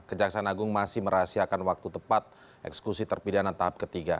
kejaksaan agung masih merahasiakan waktu tepat eksekusi terpidana tahap ketiga